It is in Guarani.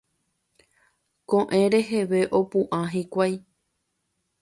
Ko'ẽ reheve opu'ã hikuái.